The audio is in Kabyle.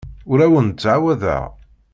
Ur awen-d-ttɛawadeɣ.